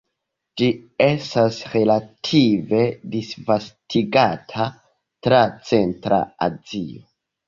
Ĝi estas relative disvastigata tra centra Azio.